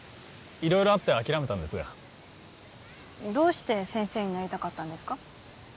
色々あって諦めたんですがどうして先生になりたかったんですか？